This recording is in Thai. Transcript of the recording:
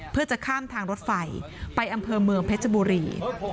เพื่อจะข้ามทางรถไฟไปอำเภอเมืองเพชรบุรี